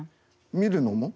見るのも？